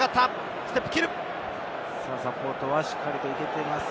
サポートはしっかり行けています。